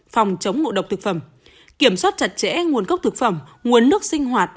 phòng chống ngộ độc thực phẩm kiểm soát chặt chẽ nguồn gốc thực phẩm nguồn nước sinh hoạt